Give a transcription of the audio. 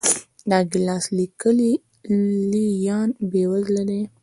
ډاګلاس لیکي لې لیان بېوزله دي.